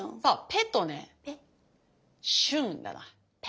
「ぺ」とね「シュン」だな。